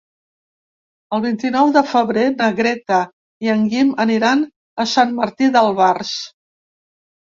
El vint-i-nou de febrer na Greta i en Guim aniran a Sant Martí d'Albars.